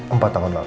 empat tahun lalu